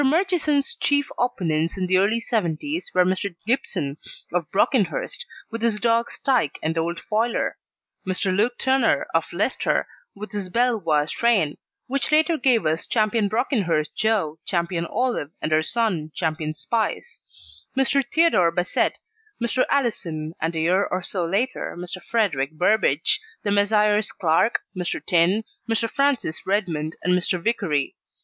Murchison's chief opponents in the early 'seventies were Mr. Gibson, of Brockenhurst, with his dogs Tyke and Old Foiler; Mr. Luke Turner, of Leicester, with his Belvoir strain, which later gave us Ch. Brockenhurst Joe, Ch. Olive and her son, Ch. Spice; Mr. Theodore Bassett, Mr. Allison, and, a year or so later, Mr. Frederick Burbidge, the Messrs. Clarke, Mr. Tinne, Mr. Francis Redmond, and Mr. Vicary.